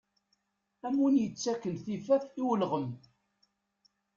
Am win yettakken tifaf i ulɣem.